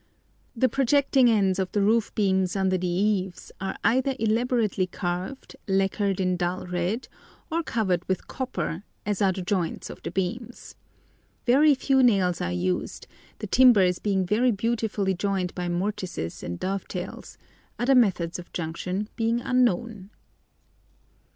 The projecting ends of the roof beams under the eaves are either elaborately carved, lacquered in dull red, or covered with copper, as are the joints of the beams. Very few nails are used, the timbers being very beautifully joined by mortices and dovetails, other methods of junction being unknown.